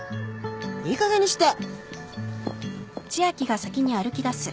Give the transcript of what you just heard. いいかげんにして。